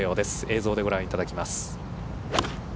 映像でご覧いただきます。